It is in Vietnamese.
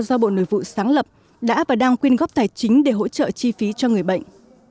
do bộ nội vụ sáng lập đã và đang quyên góp tài chính để hỗ trợ chi phí cho người bệnh